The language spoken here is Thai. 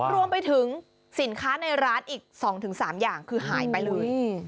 รวมไปถึงสินค้าในร้านอีก๒๓อย่างคือหายไปเลย